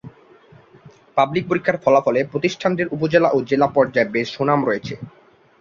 Public পরীক্ষার ফলাফলে প্রতিষ্ঠানটির উপজেলা ও জেলা পর্যায় বেশ সুনাম রয়েছে।